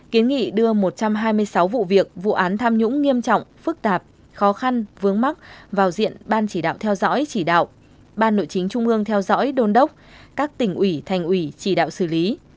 kiến nghị đưa một trăm hai mươi sáu vụ việc vụ án tham nhũng nghiêm trọng phức tạp khó khăn vướng mắc vào diện ban chỉ đạo theo dõi chỉ đạo ban nội chính trung ương theo dõi đôn đốc các tỉnh ủy thành ủy chỉ đạo xử lý